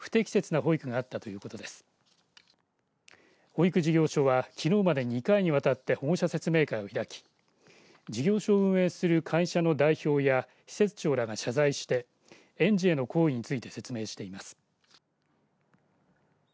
保育事業所はきのうまでに２回にわたって保護者説明会を開き事業所を運営する会社の代表や施設長らが謝罪して園児への行為について説明しています。